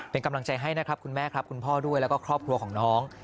เป็นกำลังใจให้นะครับคุณแม่ครับคุณพ่อด้วยแล้วก็ครอบครัวของน้อง